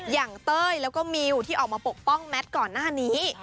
เต้ยแล้วก็มิวที่ออกมาปกป้องแมทก่อนหน้านี้